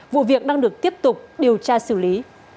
vụ việc đang được tiếp tục điều tra xử lý